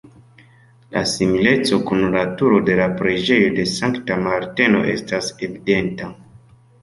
La simileco kun la Turo de la Preĝejo de Sankta Marteno estas evidenta.